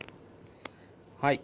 はい。